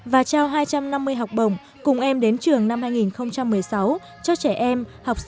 và trao hai trăm năm mươi học bổng cùng em đến trường năm hai nghìn một mươi sáu cho trẻ em học sinh